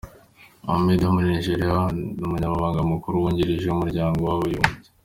Mohammed wo muri Nigeria, ubu ni Umunyamabanga Mukuru Wungirije w’Umuryango w’Abibumbye.